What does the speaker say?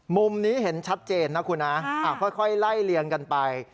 มุมนี้เห็นชัดเจนนะคุณนะค่อยไล่เลี่ยงกันไป